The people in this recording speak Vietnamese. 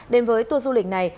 đến với tour du lịch này